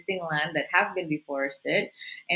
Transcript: tanah yang sudah dikeluarkan